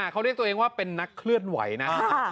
เขาเรียกตัวเองว่าเป็นนักเคลื่อนไหวนะ